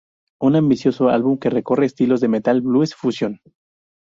Un ambicioso álbum que recorre estilos de Metal-Blues-Fusion.